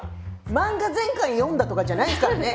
漫画全巻読んだとかじゃないんですからね。